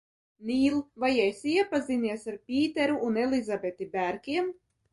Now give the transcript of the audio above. Nīl, vai esi iepazinies ar Pīteru un Elizabeti Bērkiem?